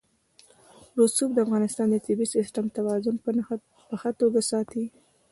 رسوب د افغانستان د طبعي سیسټم توازن په ښه توګه ساتي.